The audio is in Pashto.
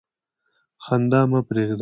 خندا مه پرېږده.